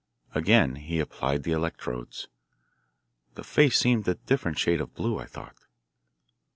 Again he applied the electrodes. The face seemed a different shade of blue, I thought.